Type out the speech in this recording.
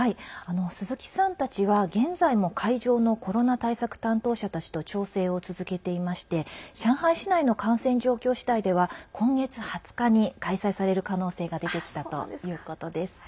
鈴木さんたちは現在も会場のコロナ対策担当者たちと調整を続けていまして上海市内の感染状況次第では今月２０日に開催される可能性が出てきたということです。